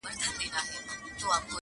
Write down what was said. نه یې حال نه یې راتلونکی معلومېږي!!